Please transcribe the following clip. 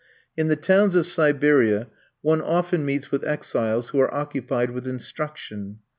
In the towns of Siberia one often meets with exiles who are occupied with instruction.